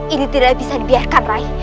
ini tidak bisa dibiarkan rai